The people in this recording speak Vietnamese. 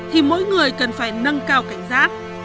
thì mỗi người cần phải nâng cao cảnh giác